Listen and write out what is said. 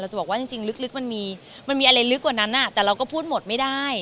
เราก็บอกว่าจริงมีอะไรลึกมากกว่านั้นน่ะแต่เราก็พูดหมดไม่ได้